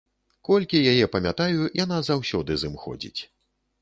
Колькі яе памятаю, яна заўсёды з ім ходзіць.